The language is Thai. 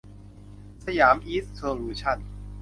สยามอีสต์ โซลูชั่น